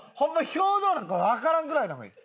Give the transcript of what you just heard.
表情なんかわからんぐらいの方がいい。